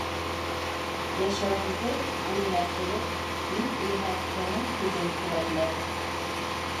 Йәшәүеңде — үлмәҫ элек, Мин иһә, уның һүҙен ҡеүәтләп: